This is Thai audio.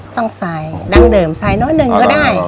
ต้องใส่ดั้งเดิมใส่น้อยหนึ่งก็ได้